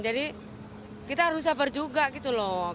jadi kita harus sabar juga gitu loh